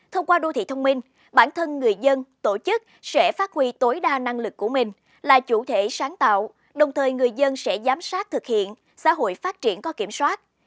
thông qua đô thị thông minh bản thân người dân tổ chức sẽ phát huy tối đa năng lực của mình là chủ thể sáng tạo đồng thời người dân sẽ giám sát thực hiện xã hội phát triển có kiểm soát